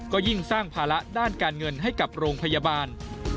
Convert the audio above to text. ก็ยิ่งสร้างภาระด้านการเงินให้กับโรงพยาบาล